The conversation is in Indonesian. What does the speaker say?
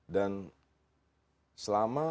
dan selama kita di